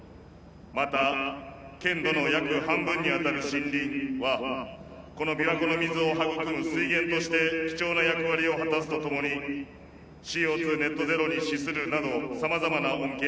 また県土の約半分にあたる森林はこの琵琶湖の水を育む水源として貴重な役割を果たすとともにＣＯネットゼロに資するなどさまざまな恩恵を与えてくれています。